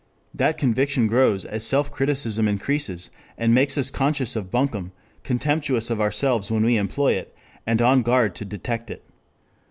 That conviction grows as self criticism increases, and makes us conscious of buncombe, contemptuous of ourselves when we employ it, and on guard to detect it.